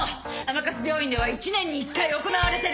甘春病院では１年に１回行われてる。